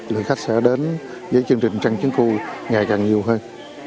lượng khách sẽ đến với chương trình trăng chiến khu ngày càng nhiều hơn